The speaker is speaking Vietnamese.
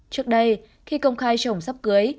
trước đây khi công khai chồng sắp cưới